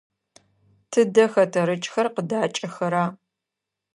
Тыдэ хэтэрыкӏхэр къыдакӏэхэра?